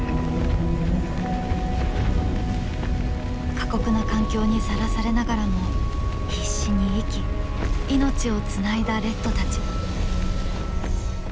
過酷な環境にさらされながらも必死に生き命をつないだレッドたち。